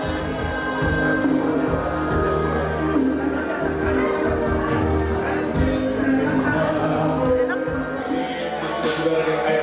jadi saya pilih kopi susu yang sedikit